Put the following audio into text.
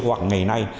hoặc ngày nay